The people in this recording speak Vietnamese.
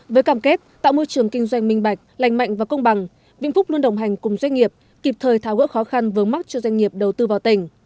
với cảm kết tạo môi trường kinh doanh minh bạch lành mạnh và công bằng vĩnh phúc luôn đồng hành cùng doanh nghiệp kịp thời tháo gỡ khó khăn vướng mắt cho doanh nghiệp đầu tư vào tỉnh